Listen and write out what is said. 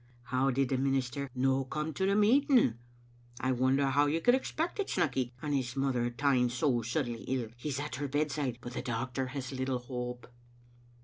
"^ How did the minister no come to the meeting? I wonder how you could expect it, Snecky, and his mother taen so suddenly ill ; he's at her bedside, but the doctor has little hope."